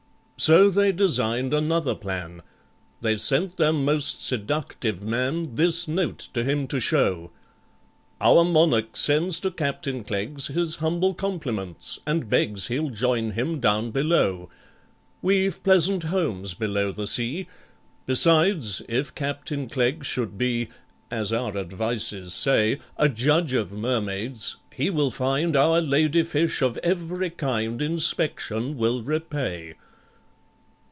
So they designed another plan: They sent their most seductive man This note to him to show— "Our Monarch sends to CAPTAIN CLEGGS His humble compliments, and begs He'll join him down below; "We've pleasant homes below the sea— Besides, if CAPTAIN CLEGGS should be (As our advices say) A judge of Mermaids, he will find Our lady fish of every kind Inspection will repay."